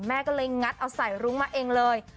แม่ก็เลยงัดเอาใส่รุ้งมาเองเลย